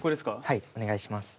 はいお願いします。